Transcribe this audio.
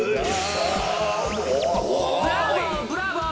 ブラボー！